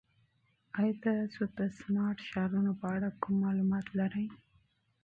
ایا تاسو د سمارټ ښارونو په اړه کوم معلومات لرئ؟